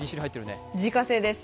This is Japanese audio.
自家製です。